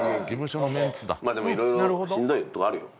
まあでもいろいろしんどいとかあるよ。